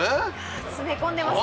いや詰め込んでますね。